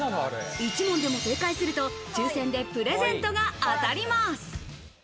１問でも正解すると抽選でプレゼントが当たります。